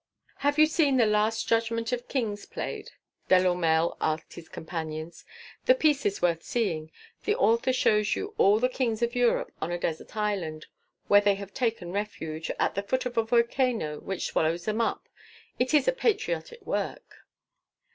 "Have you seen 'The Last Judgment of Kings' played?" Delourmel asked his companions; "the piece is worth seeing. The author shows you all the Kings of Europe on a desert island where they have taken refuge, at the foot of a volcano which swallows them up. It is a patriotic work."